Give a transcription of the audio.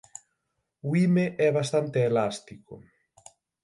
O hime é bastante elástico.